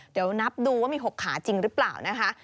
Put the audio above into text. เดี๋ยวนับดูว่ามี๖ขาจริงหรือเปล่านะคะ